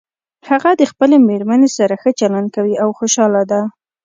هغه د خپلې مېرمنې سره ښه چلند کوي او خوشحاله ده